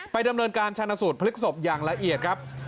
ดำเนินการชาญสูตรพลิกศพอย่างละเอียดครับ